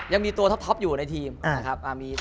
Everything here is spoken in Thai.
ยังมีตัวท็อปอยู่ในทีม